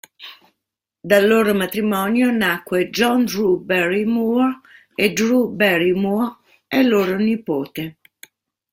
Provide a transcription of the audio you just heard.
Dal loro matrimonio nacque John Drew Barrymore e Drew Barrymore è loro nipote.